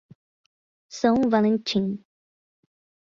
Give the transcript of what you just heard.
São Valentim